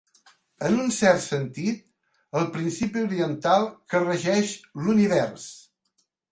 En un cert sentit, el principi oriental que regeix l'univers.